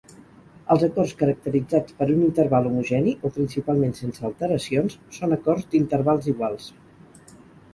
Els acords caracteritzats per un interval homogeni, o principalment sense alteracions, són acords d'intervals iguals.